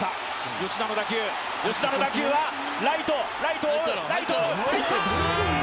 吉田の打球、吉田の打球はライト、ライトを、ライトを入った！